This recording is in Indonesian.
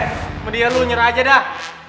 sama dia lo nyerah aja dah